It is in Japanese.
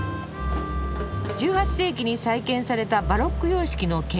１８世紀に再建されたバロック様式の建築。